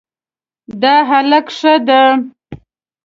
دا هلک ښه ده